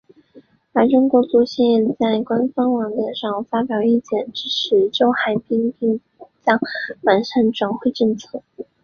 而中国足协也在官方网站上发表意见支持周海滨并将完善转会政策。